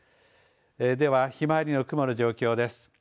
ではひまわりの雲の状況です。